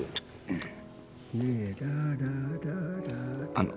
あの。